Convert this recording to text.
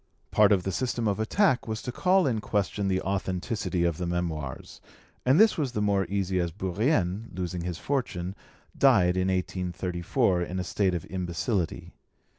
] Part of the system of attack was to call in question the authenticity of the Memoirs, and this was the more easy as Bourrienne, losing his fortune, died in 1834 in a state of imbecility.